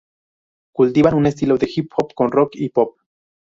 Cultivan un estilo de Hip hop con Rock y Pop.